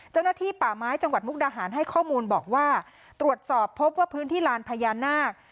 เจ้าหน้าที่ป่าไม้จังหวัดมุกดาหารให้ข้อมูลบอกว่าตรวจสอบพบว่าพื้นที่ลานพญานาค